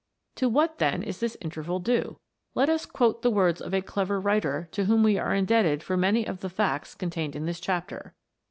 To what, then, is this interval due 1 ? Let us quote the words of a clever writer to whom we are indebted for many of the facts contained in this chapter.